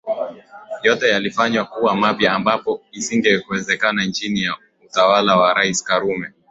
Yote yalifanywa kuwa mapya ambapo isingewezekana chini ya utawala wa Rais Karume